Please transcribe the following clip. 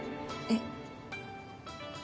えっ。